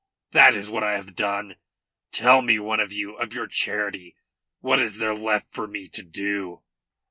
That is what I have done. Tell me, one of you, of your charity, what is there left for me to do?"